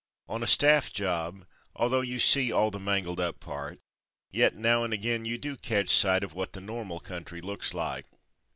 On a staff job, although you see all the mangled up part, yet now and again you do catch sight of what the normal country looks like.